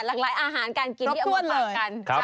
หลากหลายอาหารการกินที่อังกษัตริย์กัน